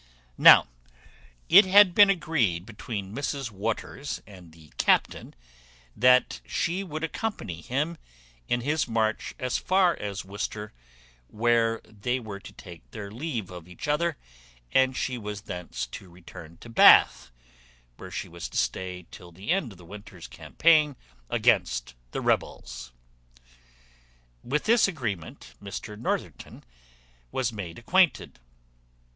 Now, it had been agreed between Mrs Waters and the captain that she would accompany him in his march as far as Worcester, where they were to take their leave of each other, and she was thence to return to Bath, where she was to stay till the end of the winter's campaign against the rebels. With this agreement Mr Northerton was made acquainted.